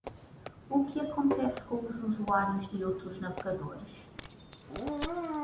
O que acontece com os usuários de outros navegadores?